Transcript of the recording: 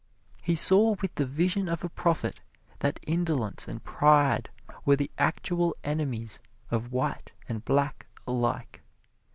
He saw with the vision of a prophet that indolence and pride were the actual enemies of white and black alike.